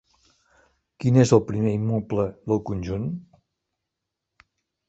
Quin és el primer immoble del conjunt?